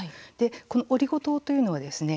このオリゴ糖というのはですね